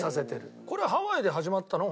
これハワイで始まったの？